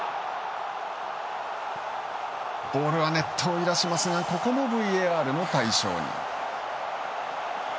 ボールはネットを揺らしますがここもＶＡＲの対象に。